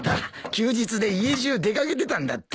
休日で家じゅう出掛けてたんだった。